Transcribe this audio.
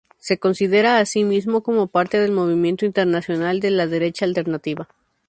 Se considera a sí mismo como parte del movimiento internacional de la derecha alternativa.